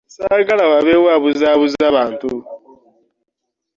Ssaagala wabeewo abuzaabuza bantu.